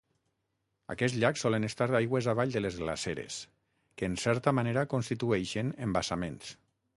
Aquests llacs solen estar aigües avall de les glaceres, que en certa manera constitueixen embassaments.